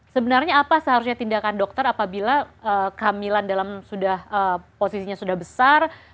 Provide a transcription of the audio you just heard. sebenarnya apa seharusnya tindakan dokter apabila kehamilan dalam sudah posisinya sudah besar